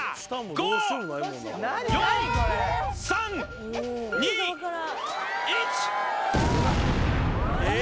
５４３２１え